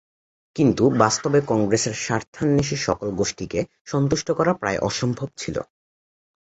কিন্তু বাস্তবে কংগ্রেসের স্বার্থান্বেষী সকল গোষ্ঠীকে সন্তুষ্ট করা প্রায় অসম্ভব ছিল।